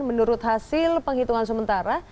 menurut hasil penghitungan sementara